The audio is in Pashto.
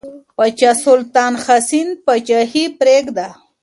پاچا سلطان حسین پاچاهي پرېږده.